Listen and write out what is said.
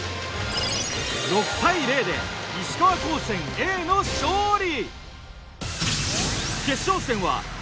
６対０で石川高専Ａの勝利。